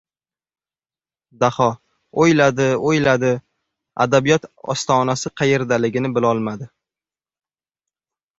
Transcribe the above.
Daho o‘yladi-o‘yladi, Adabiyot ostonasi qayerdaligini bilolmadi.